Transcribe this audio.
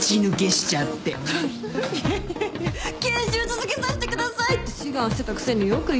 フッいやいやいや研修続けさしてくださいって志願してたくせによく言うよ。